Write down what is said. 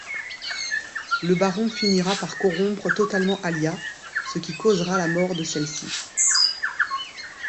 Le baron finira par corrompre totalement Alia, ce qui causera la mort de celle-ci.